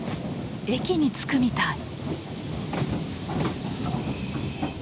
駅に着くみたい。